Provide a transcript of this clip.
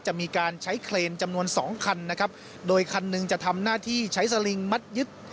จะมีการใช้เครนจำนวนสองคันนะครับโดยคันหนึ่งจะทำหน้าที่ใช้สลิงมัดยึด